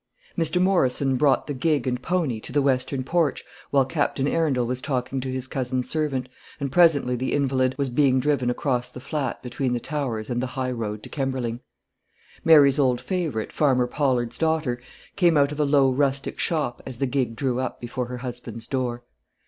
Mr. Morrison brought the gig and pony to the western porch while Captain Arundel was talking to his cousin's servant, and presently the invalid was being driven across the flat between the Towers and the high road to Kemberling. Mary's old favourite, Farmer Pollard's daughter, came out of a low rustic shop as the gig drew up before her husband's door.